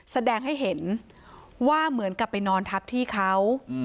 แสดงให้เห็นว่าเหมือนกับไปนอนทับที่เขา